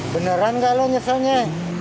beneran gak lo nyeselnya